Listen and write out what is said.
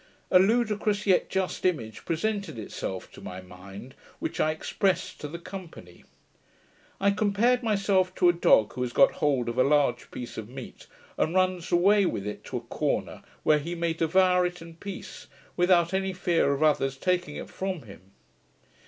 A ludicrous, yet just image presented itself to my mind, which I expressed to the company. I compared myself to a dog who has got hold of a large piece of meat, and runs away with it to a corner, where he may devour it in peace, without any fear of others taking it from him.